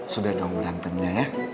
sudah dong berantemnya ya